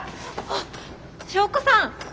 あっ祥子さん。